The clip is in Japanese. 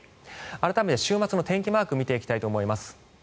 改めて週末の天気マーク見ていきたいと思います。